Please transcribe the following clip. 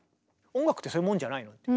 音楽ってそういうもんじゃないの？と。